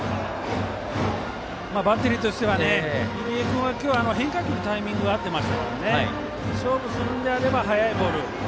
バッテリーとしては入江君は、今日変化球にタイミングが合ってましたから勝負するのであれば、速いボール。